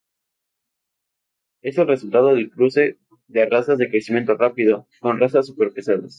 Es el resultado del cruce de razas de crecimiento rápido, con razas super pesadas.